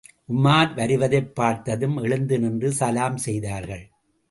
உமார் வருவதைப் பார்த்ததும் எழுந்து நின்று சலாம் செய்தார்கள்.